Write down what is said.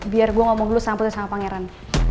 biar gue ngomong dulu sama put dan sama pangeran